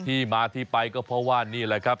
ที่มาที่ไปก็เพราะว่านี่แหละครับ